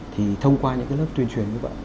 thì thông qua những cái lớp tuyên truyền như vậy